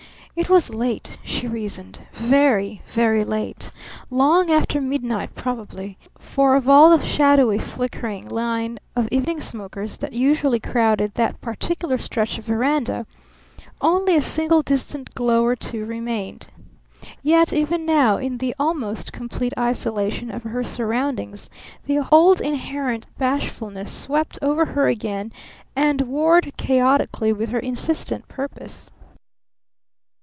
It was late, she reasoned very, very late, long after midnight probably; for of all the shadowy, flickering line of evening smokers that usually crowded that particular stretch of veranda only a single distant glow or two remained. Yet even now in the almost complete isolation of her surroundings the old inherent bashfulness swept over her again and warred chaotically with her insistent purpose.